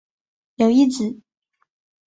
有一子。